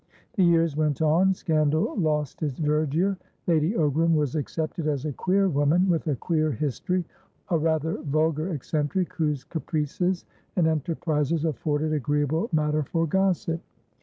The years went on; scandal lost its verdure; Lady Ogram was accepted as a queer woman with a queer history, a rather vulgar eccentric, whose caprices and enterprises afforded agreeable matter for gossip.